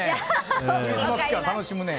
楽しむね。